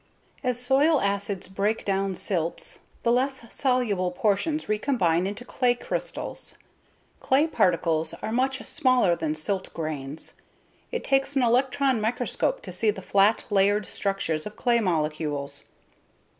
As soil acids break down silts, the less soluble portions recombine into clay crystals. Clay particles are much smaller than silt grains. It takes an electron microscope to see the flat, layered structures of clay molecules.